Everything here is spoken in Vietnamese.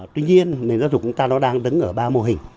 tuy nhiên nền giáo dục của chúng ta nó đang đứng ở ba mô hình